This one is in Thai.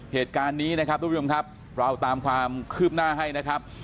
เหตุการณ์นี้นะครับทุกผู้ชมครับเราตามความคืบหน้าให้นะครับ